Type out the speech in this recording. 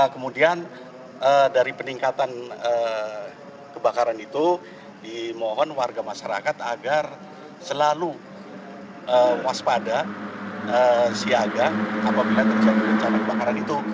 kemudian dari peningkatan kebakaran itu dimohon warga masyarakat agar selalu waspada siaga apabila terjadi bencana kebakaran itu